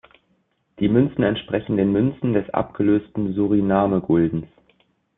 Die Münzen entsprechen den Münzen des abgelösten Suriname-Guldens.